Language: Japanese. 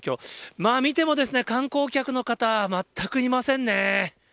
まあ見ても、観光客の方、全くいませんね。